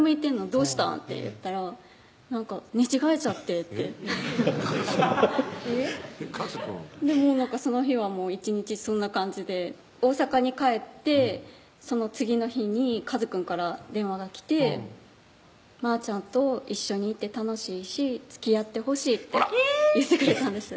どうしたん？」って言ったら「寝違えちゃって」ってかずくんかずくんその日は１日そんな感じで大阪に帰ってその次の日にかずくんから電話が来て「まーちゃんと一緒にいて楽しいしつきあってほしい」って言ってくれたんです